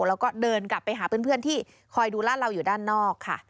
แล้วก็เดินกลับไปหาเพื่อนที่คอยดูลาดเราอยู่ด้านนอกค่ะ